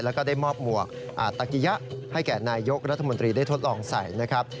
แล้วก็ได้มอบหมวกอาตกิยะให้แก่นายยกรัฐมนตรีได้ทดลองใส่นะครับ